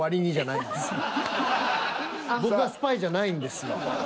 僕はスパイじゃないんですよ。